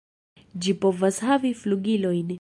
Ĝi povas havi flugilojn.